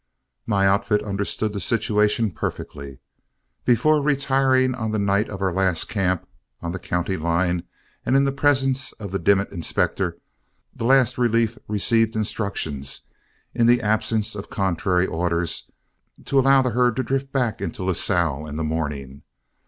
My outfit understood the situation perfectly. Before retiring on the night of our last camp on the county line, and in the presence of the Dimmit inspector, the last relief received instructions, in the absence of contrary orders, to allow the herd to drift back into Lasalle in the morning.